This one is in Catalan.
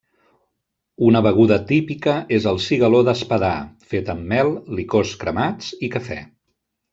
Una beguda típica és el cigaló d'Espadà, fet amb mel, licors cremats i café.